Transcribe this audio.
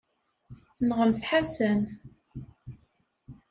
Nɣemt Ḥasan.